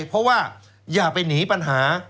เพราะว่าอย่าไปหนีปัญหา